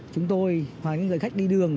chúng tôi hoặc những người khách đi đường